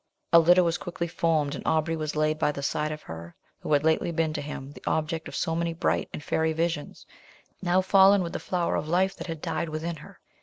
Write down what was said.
A litter was quickly formed, and Aubrey was laid by the side of her who had lately been to him the object of so many bright and fairy visions, now fallen with the flower of life that had died within her.